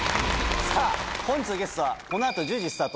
さぁ本日のゲストはこの後１０時スタート